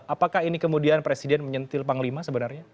apakah ini kemudian presiden menyentil panglima sebenarnya